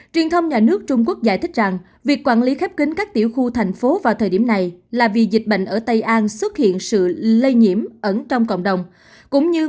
truyền thông nhà nước trung quốc giải thích rằng việc quản lý khép kính các tiểu khu thành phố vào thời điểm này là vì dịch bệnh ở tây an xuất hiện sự lây nhiễm ẩn trong cộng đồng